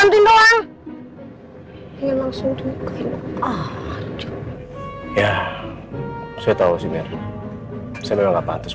tahu sih mir saya memang gak pantas ya ya saya tau sih mir saya memang gak pantas ya ya saya tau sih mir saya memang gak pantas